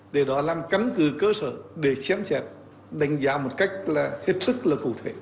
để đó làm căn cứ cơ sở để xem xét đánh giá một cách là hết sức là cụ thể